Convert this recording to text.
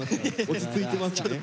落ち着いてますね。